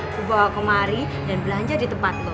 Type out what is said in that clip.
gue bawa kemari dan belanja di tempat lo